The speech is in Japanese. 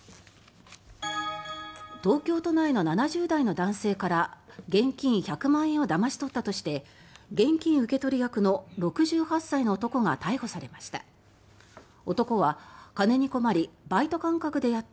東京都内の７０代の男性から現金１００万円をだまし取ったとして現金受け取り役の６８歳の男が逮捕されました。